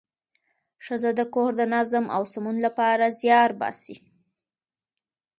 ښځه د کور د نظم او سمون لپاره زیار باسي